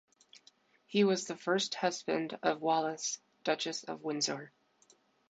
He was the first husband of Wallis, Duchess of Windsor.